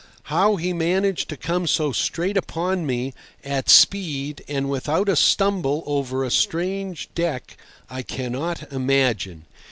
How he managed to come so straight upon me, at speed and without a stumble over a strange deck, I cannot imagine.